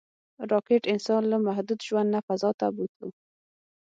راکټ انسان له محدود ژوند نه فضا ته بوتلو